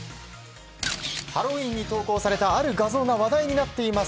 ハロウィーンに投稿されたある画像が話題になっています。